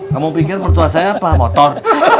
kamu pikir mertua saya apa motor